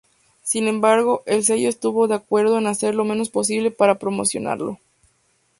Sin embargo, el sello estuvo de acuerdo en hacer lo menos posible para promocionarlo.